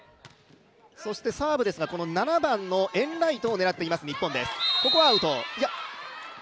そしてサーブですが、７番のエンライトを狙っている日本です。